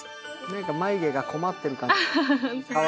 何かまゆげが困ってる感じ。